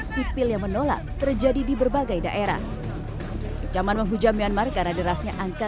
sipil yang menolak terjadi di berbagai daerah kecaman menghujam myanmar karena derasnya angka